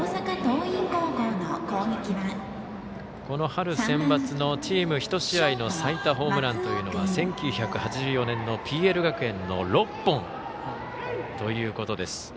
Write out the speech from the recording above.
この春センバツのチーム１試合の最多ホームランというのは１９８４年のＰＬ学園の６本ということです。